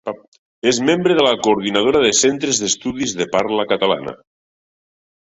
És membre de la Coordinadora de Centres d'Estudis de Parla Catalana.